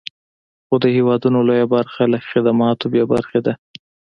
خو د هېواد لویه برخه له خدماتو بې برخې ده.